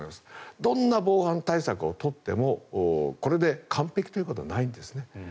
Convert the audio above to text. どんな防犯対策を取ってもこれで完璧ということはないんですね。